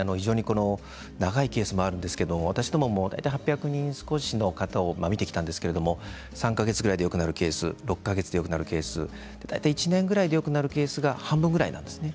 長いケースもあるんですけど、私ども八百少しの方を見てきたんですけど３か月ぐらいでよくなるケース６か月でよくなるケース１年ぐらいよくなるケースが半分ぐらいなんです。